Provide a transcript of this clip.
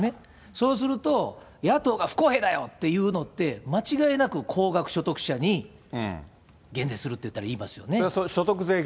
そうすると、野党が不公平だよっていうのって、間違いなく高額所得者に減税するって言いますよね。